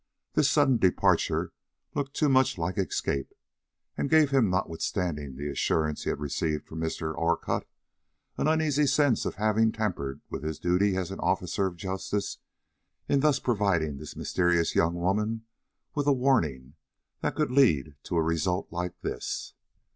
This sudden departure looked too much like escape, and gave him, notwithstanding the assurance he had received from Mr. Orcutt, an uneasy sense of having tampered with his duty as an officer of justice, in thus providing this mysterious young woman with a warning that could lead to a result like this.